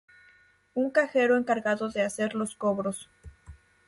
Un cajero encargado de hacer los cobros.